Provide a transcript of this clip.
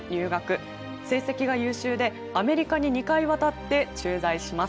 成績が優秀でアメリカに２回渡って駐在します。